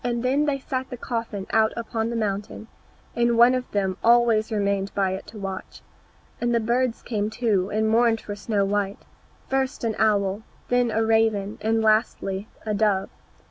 Then they set the coffin out upon the mountain, and one of them always remained by it to watch. And the birds came too, and mourned for Snow white, first an owl, then a raven, and lastly, a dove.